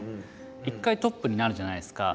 一回トップになるじゃないですか。